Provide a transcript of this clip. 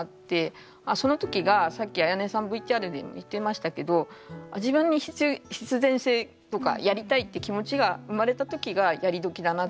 その時がさっきあやねさんＶＴＲでも言ってましたけど自分に必然性とかやりたいって気持ちが生まれた時がやりどきだなと思ってて。